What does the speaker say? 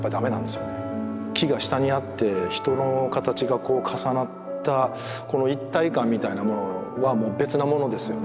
木が下にあって人の形がこう重なったこの一体感みたいなものはもう別なものですよね。